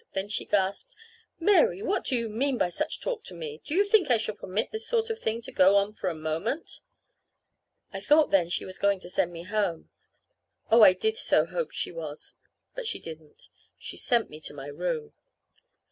Then she gasped: "Mary, what do you mean by such talk to me? Do you think I shall permit this sort of thing to go on for a moment?" I thought then she was going to send me home. Oh, I did so hope she was. But she didn't. She sent me to my room.